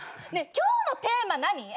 今日のテーマ何？